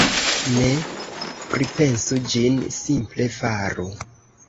Ne pripensu ĝin, simple faru.